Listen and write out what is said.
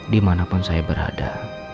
dimanapun saya berada